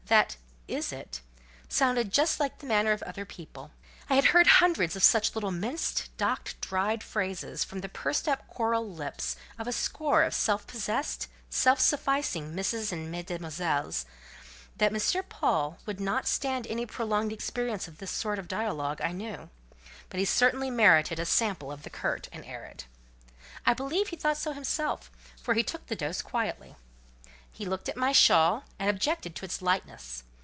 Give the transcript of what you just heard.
That "Is it?" sounded just like the manner of other people. I had heard hundreds of such little minced, docked, dry phrases, from the pursed up coral lips of a score of self possessed, self sufficing misses and mesdemoiselles. That M. Paul would not stand any prolonged experience of this sort of dialogue I knew; but he certainly merited a sample of the curt and arid. I believe he thought so himself, for he took the dose quietly. He looked at my shawl and objected to its lightness.